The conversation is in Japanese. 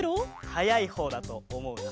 はやいほうだとおもうな。